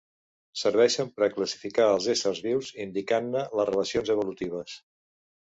Serveixen per a classificar els éssers vius indicant-ne les relacions evolutives.